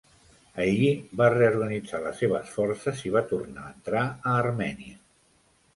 Allí va reorganitzar les seves forces i va tornar a entrar a Armènia.